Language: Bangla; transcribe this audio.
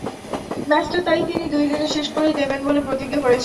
ম্যাচটা তাই তিনি দুই দিনেই শেষ করে দেবেন বলে প্রতিজ্ঞা করেছেন।